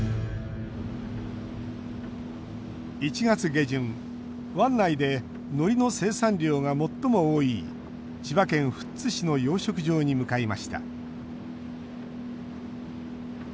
１月下旬、湾内でのりの生産量が最も多い千葉県富津市の養殖場に向かいました。